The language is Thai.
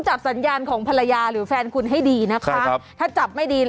ใจความไม่ดี